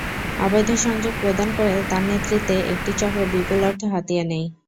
অবৈধ সংযোগ প্রদান করে তাঁর নেতৃত্বে একটি চক্র বিপুল অর্থ হাতিয়ে নেয়।